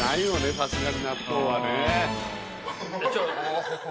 さすがに納豆はね。